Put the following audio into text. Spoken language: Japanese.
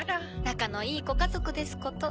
仲のいいご家族ですこと。